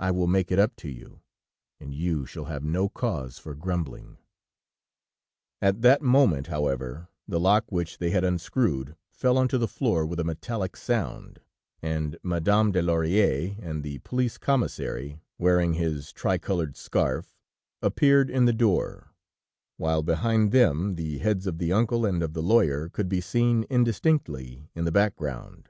I will make it up to you, and you shall have no cause for grumbling....' "At that moment however, the lock which they had unscrewed fell onto the floor with a metallic sound, and Madame de Laurière and the Police Commissary, wearing his tricolored scarf, appeared in the door, while behind them the heads of the uncle and of the lawyer could be seen indistinctly in the background.